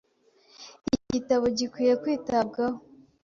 Iki gitabo gikwiye kwitabwaho.